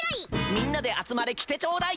「みんなであつまれ来てちょうだい」